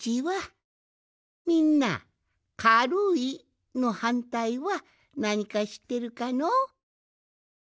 みんな「かるい」のはんたいはなにかしってるかの？